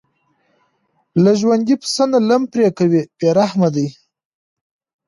له ژوندي پسه نه لم پرې کوي بې رحمه دي.